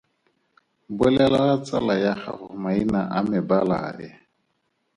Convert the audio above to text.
Bolelela tsala ya gago maina a mebala e.